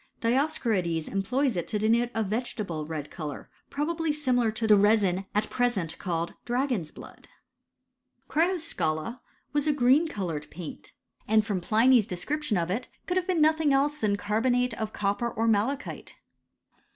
Dioscorides employs ' it lo denote a vegetable red colour, probably similar to tlit^ resin at presen. called dragon's blood. ChnfsocoUa was a green col cured paint, and iioicv 78 HISTOHY or CHEHISTET^ Plmy'fl description of it, could have been nothing elM than carbonate of copper or malachite.